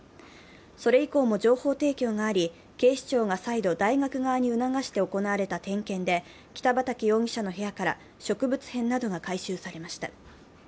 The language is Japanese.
それ以降も情報提供があり警視庁が再度大学側に促して行われた点検で北畠容疑者の部屋から植物片などが回収されました。